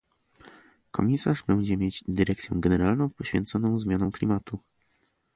Komisarz będzie mieć Dyrekcję Generalną poświęconą zmianom klimatu